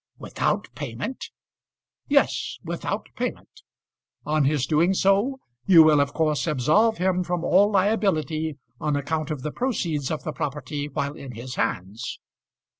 "Without payment?" "Yes; without payment. On his doing so you will of course absolve him from all liability on account of the proceeds of the property while in his hands."